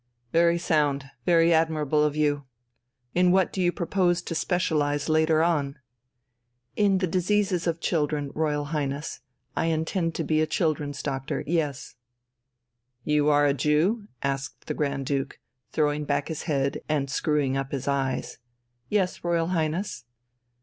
"Very sound, very admirable of you. In what do you propose to specialise later on?" "In the diseases of children, Royal Highness. I intend to be a children's doctor, yes." "You are a Jew?" asked the Grand Duke, throwing back his head and screwing up his eyes. "Yes, Royal Highness."